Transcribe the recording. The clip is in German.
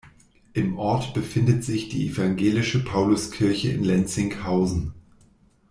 Im Ort befindet sich die evangelische Paulus-Kirche in Lenzinghausen.